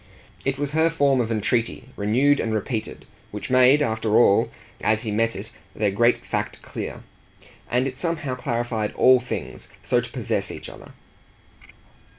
It was her form of entreaty renewed and repeated, which made after all, as he met it, their great fact clear. And it somehow clarified ALL things so to possess each other.